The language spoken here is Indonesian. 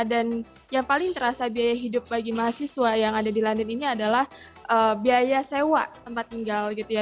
dan yang paling terasa biaya hidup bagi mahasiswa yang ada di london ini adalah biaya sewa tempat tinggal gitu ya